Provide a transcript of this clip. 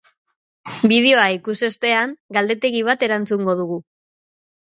Bideoa ikusi ostean, galdetegi bat erantzungo dugu.